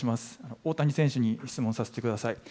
大谷選手に質問させてください。